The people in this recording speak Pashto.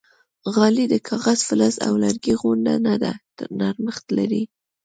غالۍ د کاغذ، فلز او لرګي غوندې نه ده، نرمښت لري.